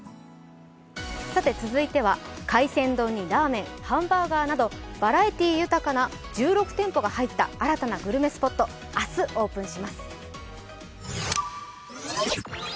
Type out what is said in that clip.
続いては、海鮮丼にラーメン、ハンバーガーなど、バラエティー豊かな１６店舗が入った新たなグルメスポット、明日オープンします。